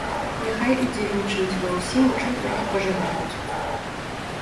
Няхай удзельнічаюць ва ўсім, у чым толькі пажадаюць.